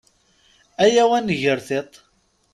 Ayaw ad nger tiṭ.